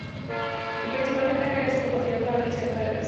Su principal ventaja era su capacidad de realizar cargas.